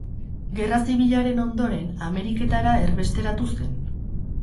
Gerra zibilaren ondoren Ameriketara erbesteratu zen.